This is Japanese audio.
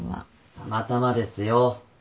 たまたまですよ。